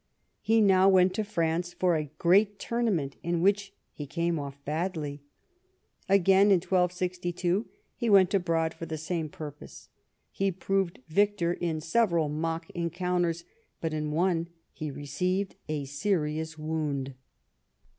He now went to France for a great tourna ment, in which he came off badly. Again in 1262 he went abroad for the same purpose. He proved victor in several mock encounters, but in one he received a serious wound.